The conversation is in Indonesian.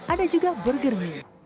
ada juga burger mie